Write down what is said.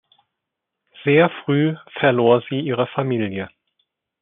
Sehr früh verlor sie ihre Familie.